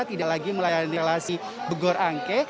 tidak lagi melayani relasi bogor angke